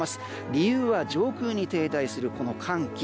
理由は上空に停滞する寒気。